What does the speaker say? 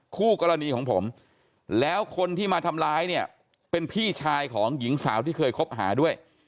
คู่กรณีของผมแล้วคนที่มาทำร้ายเนี่ยเป็นพี่ชายของหญิงสาวที่เคยคบหาด้วย